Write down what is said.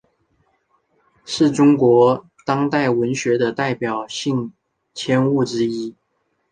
是中国当代文学的代表性刊物之一。